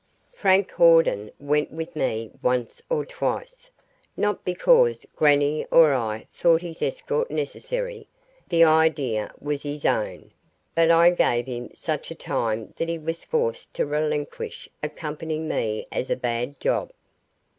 Frank Hawden went with me once or twice not because grannie or I thought his escort necessary. The idea was his own; but I gave him such a time that he was forced to relinquish accompanying me as a bad job.